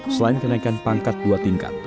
selain kenaikan pangkat dua tingkat